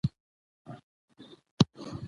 د صنعتي پارکونو جوړول تولیدات ډیروي.